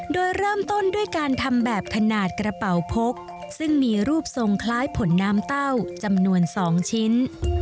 โดยเริ่มต้นด้วยการทำแบบขนาดกระเป๋าพกซึ่งมีรูปทรงคล้ายผลน้ำเต้าจำนวน๒ชิ้น